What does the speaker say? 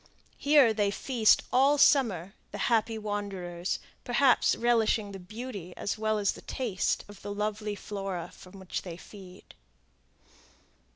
Here they feast all summer, the happy wanderers, perhaps relishing the beauty as well as the taste of the lovely flora on which they feed.